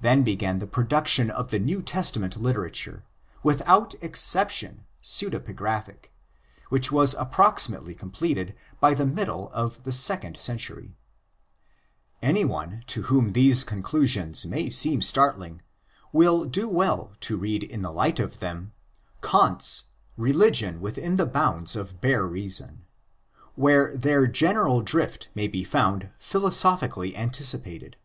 Then began the production of the New Testament litera ture—without exception pseudepigraphic—which was approximately completed by the middle of the second century. Anyone to whom these conclusions may seem startling me, , xiv PREFACE will do well to read in the light of them Kant's Religion innerhalb der Grenzen der blosen Vernunft, where their general drift may be found philosophically anticipated.